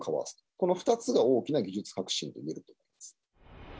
この２つが大きな技術革新といえると思います。